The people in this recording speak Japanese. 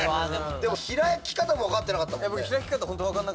開き方も分かってなかったもんね。